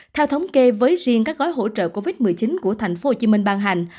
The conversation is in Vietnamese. theo thống kê với riêng các gói hỗ trợ covid một mươi chín của tp hcm ban hành